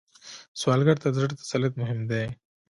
سوالګر ته د زړه تسلیت مهم دی